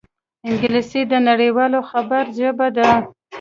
انګلیسي د نړيوال خبر ژبه ده